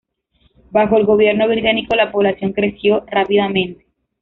Bajo el gobierno británico la población creció rápidamente.